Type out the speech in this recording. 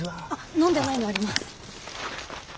飲んでないのあります。